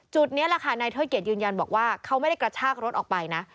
จุดนี้ราคานายเทศเกียรติยืนยันบอกว่าเขาไม่ได้กระชากรถออกไปนะ